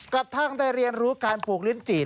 กระทั่งได้เรียนรู้การปลูกลิ้นจีด